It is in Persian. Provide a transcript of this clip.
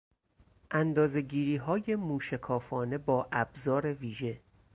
اندازه گیریهای مو شکافانه با ابزار ویژه